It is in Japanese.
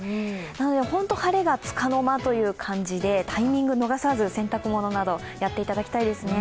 なので、本当に晴れがつかの間という感じで、タイミング逃さず洗濯物など、やっていただきたいですね。